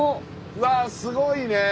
うわすごいね。